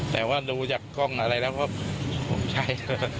แต่ว่าดูจากกล้องอะไรแล้วก็ผมใช่